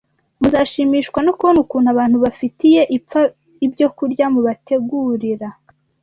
muzashimishwa no kubona ukuntu abantu bafitiye ipfa ibyokurya mubategurira